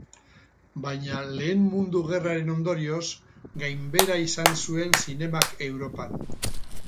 Baina Lehen Mundu Gerraren ondorioz, gainbehera izan zuen zinemak Europan.